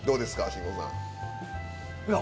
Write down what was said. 慎吾さん。